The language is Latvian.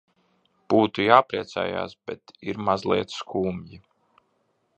Būtu jāpriecājas, bet ir mazliet skumji.